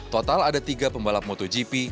total ada tiga pembalap motogp